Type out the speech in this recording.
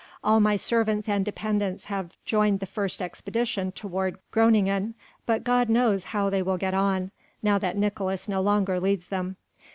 All my servants and dependents have joined the first expedition toward Groningen, but God knows how they will get on, now that Nicolaes no longer leads them.